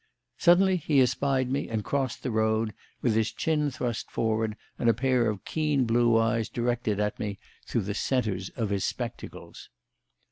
Suddenly he espied me and crossed the road with his chin thrust forward and a pair of keen blue eyes directed at me through the centres of his spectacles.